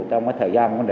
trong thời gian